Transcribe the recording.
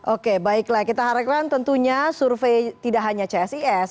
oke baiklah kita harapkan tentunya survei tidak hanya csis